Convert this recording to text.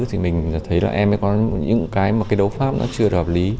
thì mình thấy là em ấy có những cái mà cái đấu pháp nó chưa hợp lý